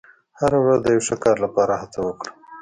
• هره ورځ د یو ښه کار لپاره هڅه وکړه.